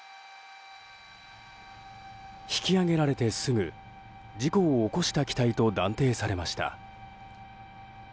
引き揚げられてすぐ事故を起こした機体と断定されました。